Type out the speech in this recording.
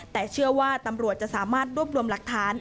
แต่เชื่อว่าตำรวจจะสามารถรวบรวมหลักฐาน